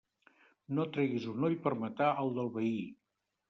No et treguis un ull per matar el del veí.